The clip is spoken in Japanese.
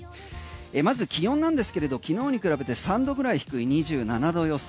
まず気温なんですけれど昨日に比べて３℃くらい低い２７℃予想。